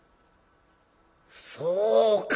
「そうか。